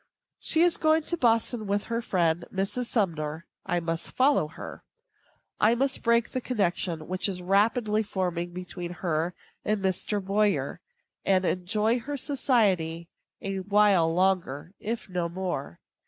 She is going to Boston with her friend, Mrs. Sumner. I must follow her. I must break the connection which is rapidly forming between her and Mr. Boyer, and enjoy her society a while longer, if no more.